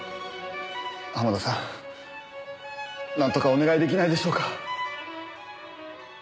濱田さんなんとかお願い出来ないでしょうか？